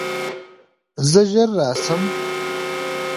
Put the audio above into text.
زه ژر راشم.